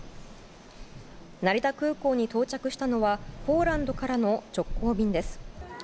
成田空港に到着したのはポーランドからの直行便です。